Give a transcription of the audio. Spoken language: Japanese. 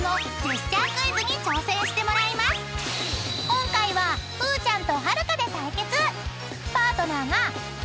［今回はふーちゃんとはるかで対決］